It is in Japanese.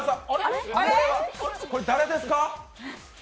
これ誰ですか？